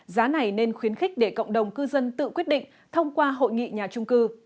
giá này nên khuyến khích để cộng đồng cư dân tự quyết định thông qua hội nghị nhà trung cư